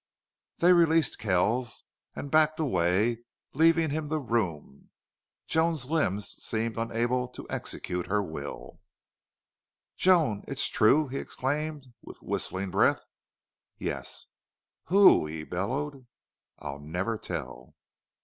They released Kells and backed away, leaving him the room. Joan's limbs seemed unable to execute her will. "Joan! It's true," he exclaimed, with whistling breath. "Yes." "WHO?" he bellowed. "I'll never tell."